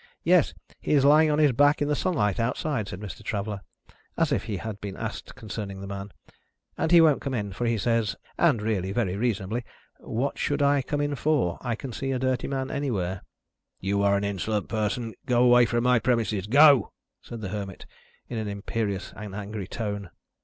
"Yes. He is lying on his back in the sunlight outside," said Mr, Traveller, as if he had been asked concerning the man, "and he won't come in; for he says and really very reasonably 'What should I come in for? I can see a dirty man anywhere.'" "You are an insolent person. Go away from my premises. Go!" said the Hermit, in an imperious and angry tone.